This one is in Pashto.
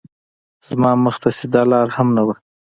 زما مخ ته سیده لار هم نه وه